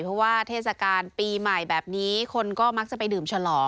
เพราะว่าเทศกาลปีใหม่แบบนี้คนก็มักจะไปดื่มฉลอง